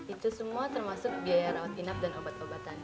itu semua termasuk biaya rawat inap dan obat obatan